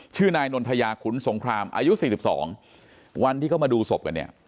ชื่อนายนนทยาขุนสงครามอายุ๔๒วันที่เขามาดูศพกันเนี่ย